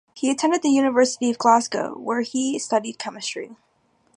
He attended the University of Glasgow, where he studied chemistry.